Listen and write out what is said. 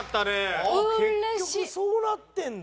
結局そうなってんだ。